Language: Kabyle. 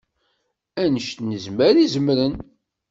Annect nezmer i zemren.